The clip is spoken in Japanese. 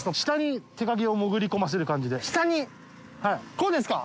こうですか？